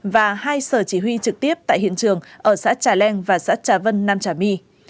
và hai sở chỉ huy trực tiếp tại hiện trường ở xã trà leng và xã trà vân nam trà my